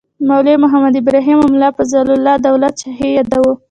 مولوي محمد ابراهیم او ملا فیض الله دولت شاهي یادوو.